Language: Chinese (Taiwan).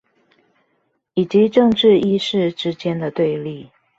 以及政治意識之間的對立